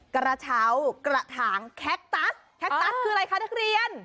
กระเช้ากระถางแคคตัสแคคตัสคืออะไรคะนักเรียน